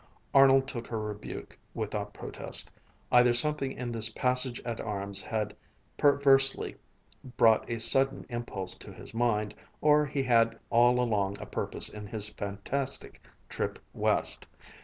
Arnold took her rebuke without protest. Either something in this passage at arms had perversely brought a sudden impulse to his mind, or he had all along a purpose in his fantastic trip West.